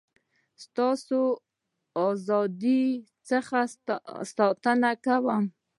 ستاسي له ازادی څخه ساتنه وکړم.